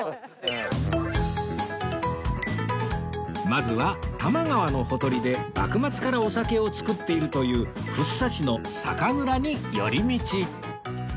まずは多摩川のほとりで幕末からお酒を造っているという福生市の酒蔵に寄り道